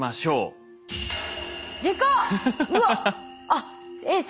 あっえっ